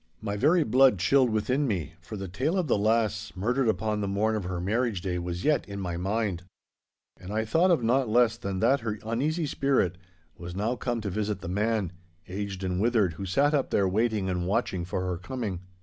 My very blood chilled within me, for the tale of the lass murdered upon the morn of her marriage day was yet in my mind. And I thought of naught less than that her uneasy spirit was now come to visit the man, aged and withered, who sat up there waiting and watching for her coming.